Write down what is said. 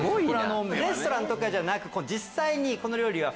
レストランとかじゃなく実際にこの料理は。